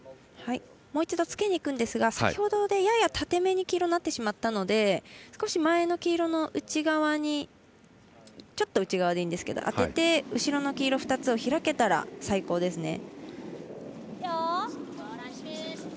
もう一度つけに行くんですが先ほど、やや縦めに黄色になってしまったので少し前の黄色の内側にちょっと内側でいいんですけど当てて、後ろの黄色２つが開けたら最高です。